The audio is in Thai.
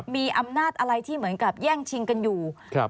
มีอำนาจอะไรที่เหมือนกับแย่งชิงกันอยู่